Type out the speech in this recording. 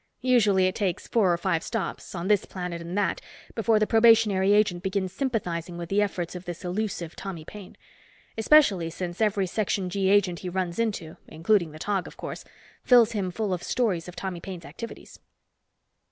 Usually, it takes four or five stops, on this planet and that, before the probationary agent begins sympathizing with the efforts of this elusive Tommy Paine. Especially since every Section G agent he runs into, including the Tog, of course, fills him full of stories of Tommy Paine's activities.